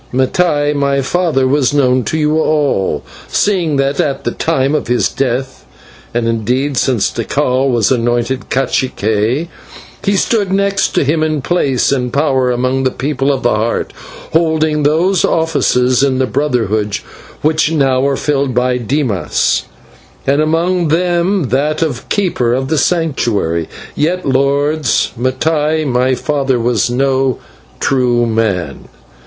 Mattai, my father, was known to you all, seeing that at the time of his death, and, indeed, since Tikal was anointed /cacique/, he stood next to him in place and power among the People of the Heart, holding those offices in the Brotherhood which now are filled by Dimas, and among them that of Keeper of the Sanctuary. Yet, lords, Mattai, my father, was no true man.